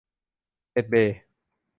เน็ตเบย์